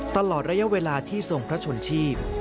ตลอดระยะเวลาที่ทรงพระชนชีพ